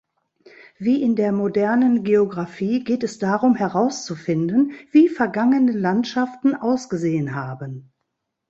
Wie in der modernen Geographie geht es darum herauszufinden, wie vergangene Landschaften ausgesehen haben.